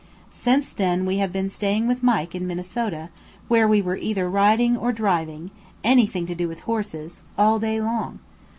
Since then we have been staying with Mike in Minnesota, where we were either riding or driving (anything to do with horses) all day long.